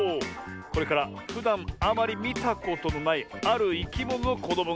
これからふだんあまりみたことのないあるいきもののこどもがでてきます。